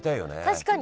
確かに。